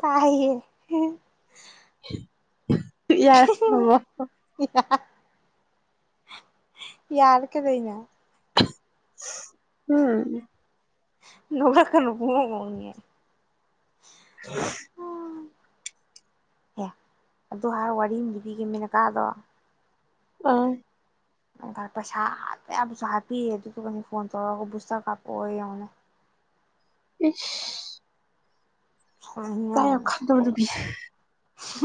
ꯀꯥꯏꯌꯦ ꯌꯥꯔꯦ ꯊꯥꯃꯣ [unintelligible] ꯌꯥꯔ ꯀꯗꯩꯅ ꯎꯝ ꯅꯨꯂ ꯀꯅꯄꯉꯉꯦ [inaudible] ꯎꯝ ꯑꯦ ꯑꯗꯨ ꯍꯥꯏꯔ ꯋꯥꯔꯤ ꯑꯃ ꯂꯤꯕꯤꯈꯤꯕꯃꯤꯅꯀꯥꯗꯣ ꯑꯥ ꯄꯩꯁꯥ ꯍꯠꯇꯄꯥ ꯌꯥꯕꯁꯨ ꯍꯠꯄꯤꯔꯦ ꯑꯗꯨꯗꯨꯒꯅꯤ ꯐꯣꯟ ꯇꯧꯔꯒ ꯕꯨꯖꯇꯔ ꯀꯥꯄꯣꯛꯑꯣ ꯌꯦꯡꯉꯣꯅꯦ ꯏꯁ ꯏꯆꯥ [unintelligible] ꯌꯥꯝ ꯈꯟꯗꯕ ꯃꯁꯛꯇꯨꯒꯥ ꯅꯨꯄꯤ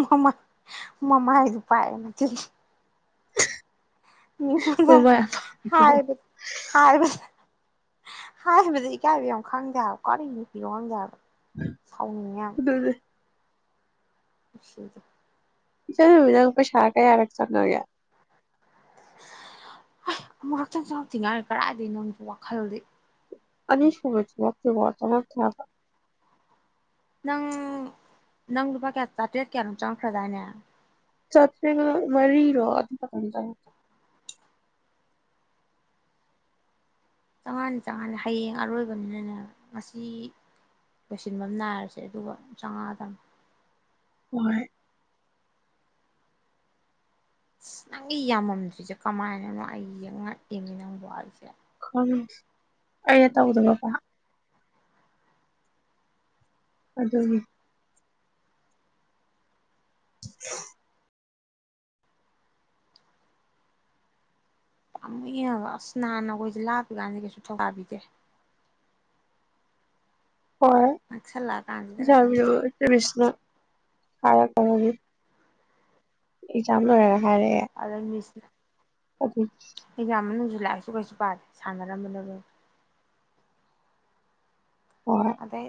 ꯃꯃꯥ ꯃꯃꯥ ꯍꯥꯏꯗꯨ ꯄꯥꯏꯅ [unintelligible] ꯃꯃꯥꯏ ꯑꯐꯕꯗꯣ ꯍꯥꯏꯕ ꯍꯥꯏꯕꯗꯤ ꯏꯀꯥꯏꯕꯨ ꯈꯪꯗꯦ ꯍꯥꯏꯕ ꯀꯔꯤ ꯅꯨꯄꯤꯅꯣ ꯈꯪꯗꯦ ꯍꯥꯏꯕ ꯁꯥꯎꯅꯤꯡꯅꯤꯌꯥꯝ ꯑꯗꯨꯅꯦ [inaudible] [unintelligible] ꯄꯩꯁꯥ ꯀꯌꯥꯒꯥ ꯆꯉꯥꯒꯦ ꯑꯃꯛꯨꯔꯛꯇꯪ ꯆꯇꯤꯉꯥꯏ ꯀꯔꯥꯏꯗꯒꯤ ꯅꯪ ꯋꯥꯈꯜꯗꯤ ꯑꯅꯤ ꯁꯨꯕ ꯆꯉꯛꯇꯦꯀꯣ ꯋꯥ ꯑꯃ ꯊꯌꯥ ꯅꯪ ꯅꯪ ꯂꯨꯄꯥ ꯀꯌꯥ ꯆꯥꯇ꯭ꯔꯦꯠ ꯀꯌꯥꯅꯣ ꯆꯪꯉꯛꯈ꯭ꯔꯗꯥꯏꯅꯦ ꯆꯠ [unintelligible] ꯃꯔꯤꯔꯣ ꯑꯗꯨꯗ ꯆꯪꯉꯥꯅꯤ ꯆꯪꯉꯥꯅꯤ ꯍꯌꯦꯡ ꯑꯔꯣꯏꯕꯅꯤꯅꯅꯦ ꯃꯁꯤ ꯂꯣꯏꯁꯤꯟꯕ ꯑꯃ ꯅꯥꯏꯔꯁꯦ ꯑꯗꯨꯒ ꯆꯥꯝꯃꯉꯥꯗꯪ ꯍꯣꯏ ꯑꯁ ꯅꯪꯒꯤ ꯌꯥꯝꯃꯝꯗ꯭ꯔꯤꯁꯦ ꯀꯃꯥꯏꯅꯅꯣ ꯑꯩ ꯌꯦꯡꯉꯛꯏꯅꯦ ꯅꯪꯕꯨ ꯑꯩꯁꯦ ꯈꯪꯗꯤ ꯑꯩꯅ ꯇꯧꯗꯕꯀ ꯑꯗꯨꯒꯤ [inaudible] ꯄꯥꯃꯨꯏ ꯌꯦꯡꯉꯒ ꯑꯁ ꯅꯥꯥꯟꯟꯅ ꯑꯩꯈꯣꯏꯁꯦ ꯂꯥꯞꯄꯤ ꯀꯥꯟꯁꯤ ꯀꯩꯁꯨ ꯊꯧꯒꯕꯤꯗꯦ ꯍꯣꯏ ꯅꯛꯁꯜꯂꯛꯑ ꯀꯥꯟꯁꯤꯗ ꯈꯛꯇꯅꯦ [unintelligible] ꯑꯦꯛꯖꯥꯝ ꯂꯣꯏꯔꯒ ꯍꯥꯏꯔꯦ ꯑ ꯃꯤꯁ ꯑꯗꯨ ꯑꯩ ꯌꯥꯝ ꯃꯅꯨꯡꯁꯨ ꯂꯥꯛꯏꯑꯁꯨ ꯀꯩꯁꯨ ꯄꯥꯗꯦ ꯁꯥꯟꯅꯔꯝꯕꯅ ꯂꯣꯏ ꯍꯣꯏ ꯑꯗꯩ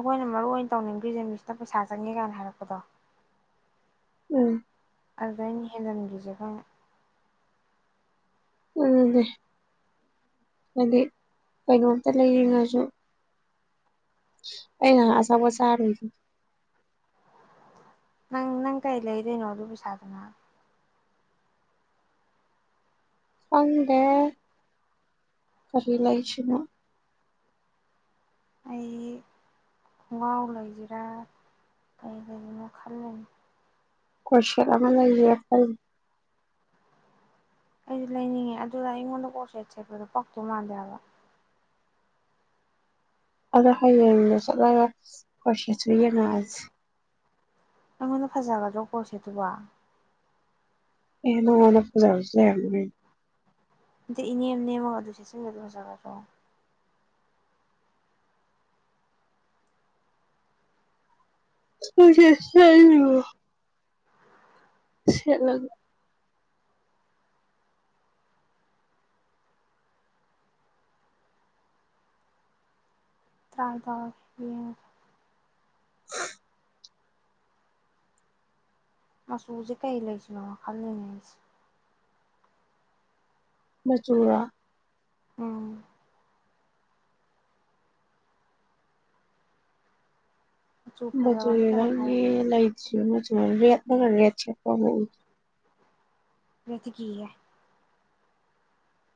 ꯑꯩꯈꯣꯏꯅ ꯃꯔꯨ ꯑꯣꯏꯅ ꯇꯧꯅꯤꯡꯕ꯭ꯔꯤ ꯖꯟꯕꯤꯁꯤꯗ ꯄꯩꯁꯥ ꯆꯪꯉꯦ ꯀꯥꯏꯅ ꯍꯥꯏꯔꯛꯄꯗꯣ ꯎꯝ ꯑꯗꯨ ꯑꯥꯏꯩꯅ ꯍꯦꯟꯖꯟꯒꯤꯖꯕ ꯑꯗꯨꯅꯦ ꯍꯥꯏꯗꯤ ꯀꯩꯅꯣꯝꯇ ꯂꯩꯔꯤꯉꯁꯨ ꯑꯩꯅ ꯑꯁꯥꯕꯨ ꯁꯔ ꯅꯪ ꯅꯪ ꯀꯩ ꯂꯩꯗꯅꯣ ꯑꯗꯨ ꯄꯩꯁꯥꯗꯨꯅ ꯈꯪꯗꯦ ꯀꯔꯤ ꯂꯩꯁꯤꯅꯥ ꯑꯩ ꯈꯣꯡꯒꯥꯎ ꯂꯩꯁꯤꯔꯥ ꯀꯩ ꯂꯩꯕꯅꯣ ꯈꯜꯂꯤꯅꯦ ꯀꯣꯏꯁꯦꯠ ꯑꯃ ꯂꯩꯖꯤꯔ ꯈꯜꯂꯤ ꯑꯩꯗꯤ ꯂꯩꯅꯤꯡꯉꯦ ꯑꯗꯨꯗ ꯑꯩꯉꯣꯟꯗ ꯀꯣꯔꯁꯦꯠ ꯁꯦꯠꯄꯗꯣ ꯄꯛꯇꯣꯏ ꯃꯥꯟꯗꯦꯕ ꯑꯗꯣ ꯍꯌꯦꯡꯗꯣ ꯆꯠꯂꯒ ꯀꯣꯏꯁꯦꯠꯁꯨ ꯌꯦꯡꯉꯛꯑꯁꯤ ꯑꯩꯉꯣꯟꯗ ꯐꯖꯒꯗ꯭ꯔꯣ ꯀꯣꯔꯁꯦꯠ ꯇꯨꯕꯨ ꯑꯦ ꯅꯉꯣꯟꯗ ꯐꯖꯕꯁꯨ ꯂꯩꯔꯝꯗꯣꯏꯅꯤ ꯑꯗ ꯏꯅꯦꯝ ꯅꯦꯝꯃꯒ ꯑꯗꯨ ꯁꯦꯠꯆꯟꯕꯗꯣ ꯐꯖꯒꯗ꯭ꯔꯣ ꯍꯣꯏ ꯁꯦ [unintelligible] ꯁꯦꯠꯂꯒꯦ [unintelligible] ꯌꯦꯉꯣ [inaudible] ꯃꯥꯆꯨꯖꯦ ꯀꯩ ꯂꯩꯁꯤꯅꯣ ꯈꯜꯂꯤꯅꯦ ꯑꯧꯁꯦ ꯃꯆꯨꯔꯣ ꯎꯝ ꯃꯆꯨꯐꯖꯕ ꯃꯆꯨꯖꯦ ꯑꯝꯇꯅ ꯍꯥꯏꯔꯣ ꯅꯪꯒꯤ ꯂꯩꯇ꯭ꯔꯤ ꯃꯆꯨ ꯔꯦꯠ ꯅꯪꯅ ꯔꯦꯠ ꯁꯦꯠꯄ ꯑꯃꯨꯛ ꯎꯗꯔꯤ ꯔꯦꯠꯇꯤ ꯀꯤꯍꯦ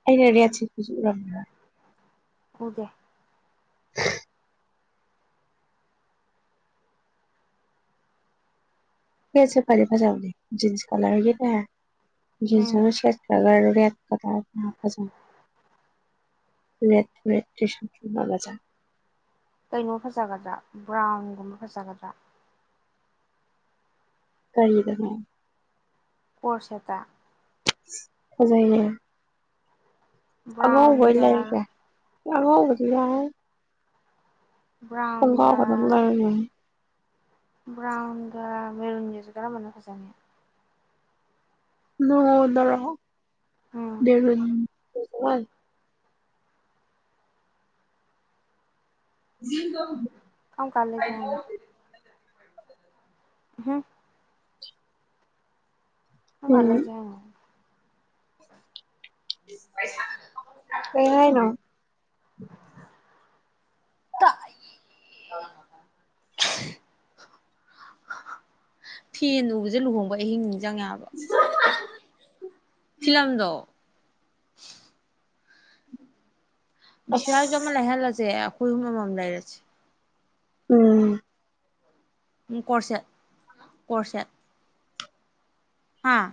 ꯑꯩꯩꯅ ꯔꯦꯠ ꯁꯦꯠꯄꯁꯨ ꯎꯔꯝꯒꯤꯔꯣꯏ ꯎꯗꯦ ꯔꯦꯠꯁꯦ ꯐꯗꯤ ꯐꯖꯕꯅꯦ ꯖꯤꯟꯁ ꯀꯂꯔꯒꯤꯅꯦ ꯖꯤꯟꯁ ꯎꯝ ꯑꯃ ꯁꯦꯠꯀ꯭ꯔꯒ ꯔꯦꯠ [unintelligible] ꯔꯦꯠ ꯔꯦꯠ [unintelligible] ꯀꯩꯅꯣ ꯐꯖꯒꯗ꯭ꯔꯥ ꯕ꯭ꯔꯥꯎꯟꯒꯨꯝꯕ ꯐꯖꯒꯗ꯭ꯔꯥ ꯀꯔꯤꯗꯅꯣ ꯀꯣꯔꯁꯦꯠꯇ ꯐꯖꯩꯌꯦ ꯑꯉꯧꯕ ꯑꯣꯏ ꯕ꯭ꯔꯥꯎꯟꯒ ꯂꯩꯒꯦ ꯑꯉꯧꯕꯁꯨ ꯌꯥꯎꯍꯧ ꯈꯣꯡꯒ꯭ꯔꯥꯎ ꯕ꯭ꯔꯥꯎꯟꯒ ꯈꯛꯇꯪ ꯂꯩꯔꯅꯤ ꯕ꯭ꯔꯥꯎꯟꯒ ꯃꯦꯔꯨꯟꯒꯁꯦ ꯀꯔꯝꯕꯅ ꯐꯖꯥꯅꯤ ꯅꯉꯣꯟꯗꯔꯣ ꯎꯝ ꯃꯦꯔꯨꯟ [unintelligible] ꯀꯥꯝ ꯀꯥꯟ ꯂꯩꯁꯤ ꯍꯥꯏꯅꯣ ꯍꯝ ꯀꯥꯝ ꯀꯥꯟ ꯎꯝ ꯂꯩꯁꯤ ꯍꯥꯏꯅꯣ [inaudible] ꯀꯩ ꯍꯥꯏꯅꯣ [unintelligible] ꯇꯥꯛ [inaudible] [inaudible] ꯐꯤ ꯏꯂꯨꯕꯁꯦ ꯂꯨꯍꯣꯡꯕꯩ ꯑꯍꯤꯡ ꯅꯤꯡꯖꯉꯦ ꯍꯥꯏꯕ [unintelligible] ꯐꯤꯂꯝꯗꯣ ꯑꯁ ꯕꯤꯁꯤꯌꯥꯁꯨ ꯑꯃ ꯂꯩꯍꯜꯂꯁꯦ ꯑꯩꯈꯣꯏ ꯑꯍꯨꯝ ꯑꯃꯃꯝ ꯂꯩꯔꯁꯦ ꯎꯝ ꯎꯝ ꯀꯣꯔꯁꯦꯠ ꯀꯣꯔꯁꯦꯠ ꯍꯥꯥ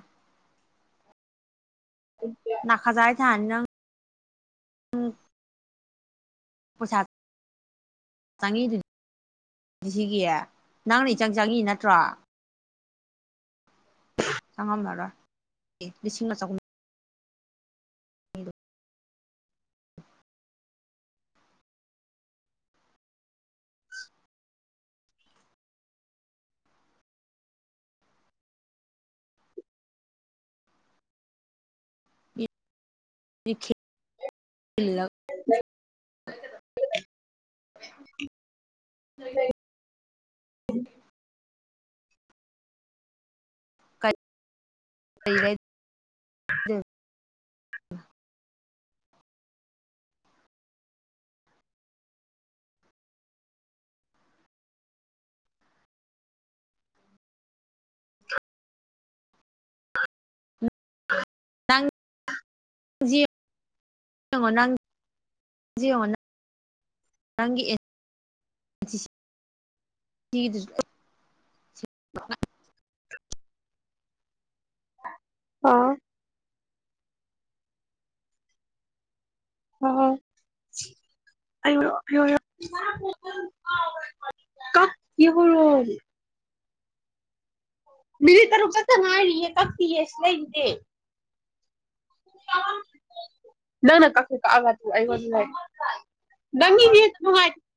[unintelligible] ꯅꯈꯥꯏꯖꯥꯏ ꯊꯥꯅꯤ ꯅꯪ ꯄꯁꯥ [unintelligible] ꯆꯪꯉꯤꯗꯨꯗꯤ ꯁꯤꯒꯤ ꯅꯪꯅ ꯏꯆꯪ ꯆꯪꯉꯤ ꯅꯠꯇ꯭ꯔꯣ ꯆꯪꯉꯝꯃꯔꯣꯏ ꯂꯤꯁꯤꯡ ꯑꯃ ꯆꯍꯨꯝ ꯂ [unintelligible] [inaudible] ꯂꯩ ꯎꯝ [unintelligible] ꯁꯔ [unintelligible] [inaudible] ꯑ [inaudible] ꯅꯪ ꯖꯤ ꯌꯦꯡꯉꯣ ꯅꯪ ꯖꯦ ꯌꯦꯡꯉꯣ ꯅꯪ ꯅꯪꯒꯤ ꯁꯤ [unintelligible] [inaudible] ꯑꯣ ꯍꯣꯢ ꯍꯣꯢ ꯑꯩꯌꯣꯌꯣ ꯌꯣꯌꯣ ꯃꯤꯅꯤꯠ ꯇꯔꯨꯛ ꯆꯠꯇ ꯉꯥꯏꯔꯤꯌꯦ ꯀꯥꯛꯇꯤꯌꯦ ꯁꯦ ꯂꯩꯌꯦ [unintelligible] ꯅꯪꯅ ꯀꯥꯛꯃꯩ ꯀꯥꯛꯑꯒ ꯑꯩꯉꯣꯟꯗ ꯇꯥꯢꯅꯩ ꯅꯪꯒꯤ ꯅꯦꯠ